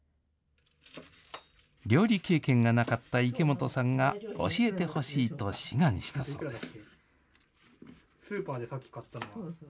料理経験がなかった池本さんが教えてほしいと志願したそうです。